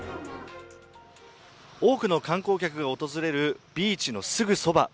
多くの観光客が訪れるビーチのすぐそば。